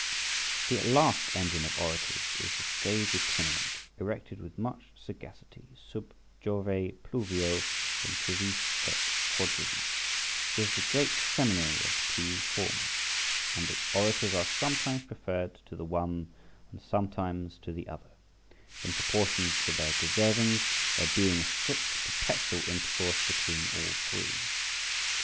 The last engine of orators is the Stage itinerant, erected with much sagacity, sub Jove pluvio, in triviis et quadriviis. {62a} It is the great seminary of the two former, and its orators are sometimes preferred to the one and sometimes to the other, in proportion to their deservings, there being a strict and perpetual intercourse between all three.